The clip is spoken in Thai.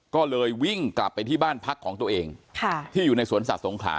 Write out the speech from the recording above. ก็เลยวิ่งกลับไปที่บ้านพักของตัวเองที่อยู่ในสวนสัตว์สงขลา